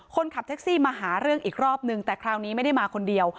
คนขับแท็กซี่มาหาเรื่องอีกรอบนึงแต่คราวนี้ไม่ได้มาคนเดียว